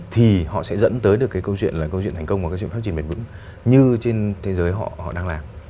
thì họ sẽ dẫn tới được cái câu chuyện là câu chuyện thành công và cái sự phát triển bền vững như trên thế giới họ đang làm